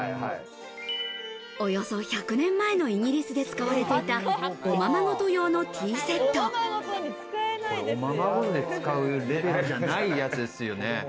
およそ１００年前のイギリスで使われていた、これ、おままごとで使うレベルじゃないやつですよね。